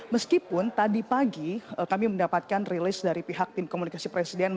meskipun tadi pagi kami mendapatkan rilis dari pihak tim komunikasi presiden